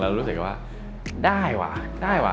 รู้สึกว่าได้ว่ะได้ว่ะ